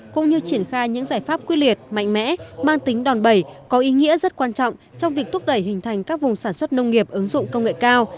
cũng như triển khai những giải pháp quyết liệt mạnh mẽ mang tính đòn bẩy có ý nghĩa rất quan trọng trong việc thúc đẩy hình thành các vùng sản xuất nông nghiệp ứng dụng công nghệ cao